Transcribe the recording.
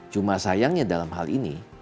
cuma sayangnya dalam hal ini